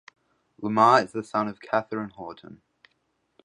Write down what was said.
Lamar is the son of Catherine Horton.